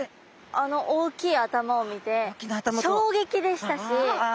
あの大きい頭を見てしょうげきでしたし。